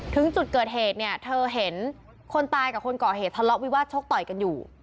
ถึงจุดเกิดเหตุเนี่ยเธอเห็นคนตายกับคนก่อเหตุทะเลาะวิวาสชกต่อยกันอยู่